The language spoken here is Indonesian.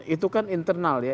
itu kan internal ya